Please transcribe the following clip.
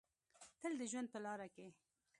تل د ژوند په لاره کې